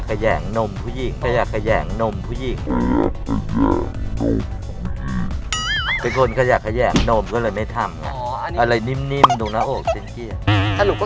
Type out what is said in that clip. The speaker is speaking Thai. เป็นลูกเลี้ยงที่แม่ลูกเลี้ยงเหรอค่ะเป็นลูกเลี้ยงเหรอค่ะเป็นลูกเลี้ยงเหรอค่ะ